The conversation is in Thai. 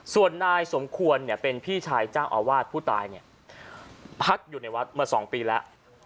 ส่วนนายสมควรเป็นพี่ชายจ้างอาวาสผู้ตายพักอยู่ในวัดมาสองปีแล้ว